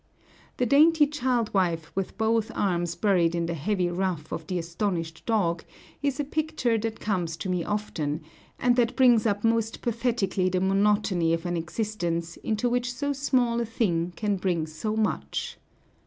The dainty child wife with both arms buried in the heavy ruff of the astonished dog is a picture that comes to me often, and that brings up most pathetically the monotony of an existence into which so small a thing can bring so much.